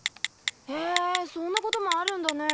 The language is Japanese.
へぇそんなこともあるんだね。